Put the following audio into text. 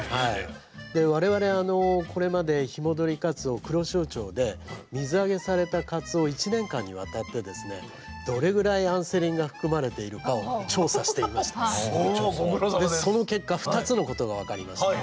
我々これまで日戻りかつおを黒潮町で水揚げされたかつおを１年間にわたってどれぐらいアンセリンが含まれているかを調査していましてその結果２つのことが分かりました。